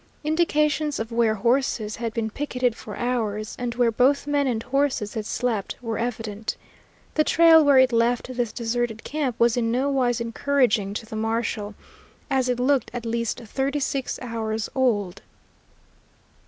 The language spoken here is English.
Indications of where horses had been picketed for hours, and where both men and horses had slept were evident. The trail where it left this deserted camp was in no wise encouraging to the marshal, as it looked at least thirty six hours old.